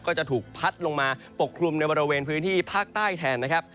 ก็จะถูกพัดลงมาปกคลุมในบริเวณพื้นที่ภาคใต้แทนนะครับ